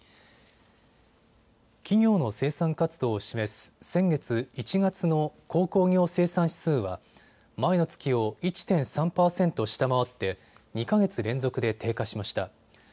企業の生産活動を示す先月１月の鉱工業生産指数は前の月を１．３％下回って２か月連続で低下しました。